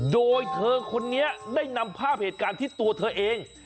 โดยเธอคนนี้ได้นำภาพเหตุการณ์ที่ตัวเธอเอง